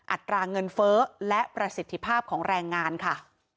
อัตราเงินเฟ้อและประสิทธิภาพของแรงงานค่ะ